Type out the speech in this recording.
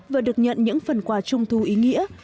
vừa được nhận những phần quà trung thu ý nghĩa